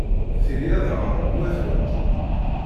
Tili ad aɣeɣ gma-twent.